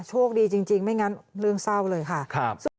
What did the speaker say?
โชคดีจริงไม่งั้นเรื่องเศร้าเลยค่ะ